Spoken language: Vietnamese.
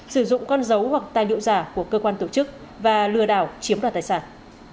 sử dụng con dấu hoặc tài liệu giả của cơ quan tổ chức và lừa đảo chiếm đoạt tài sản